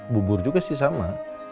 bubur juga sih sama